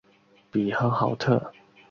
比亨豪特。